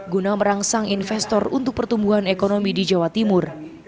guna merangsang investor untuk pertumbuhan ekonomi di jawa timur